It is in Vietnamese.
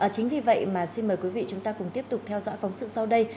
chính vì vậy mà xin mời quý vị chúng ta cùng tiếp tục theo dõi phóng sự sau đây